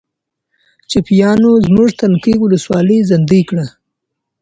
چپیانو زموږ تنکۍ ولسواکي زندۍ کړه.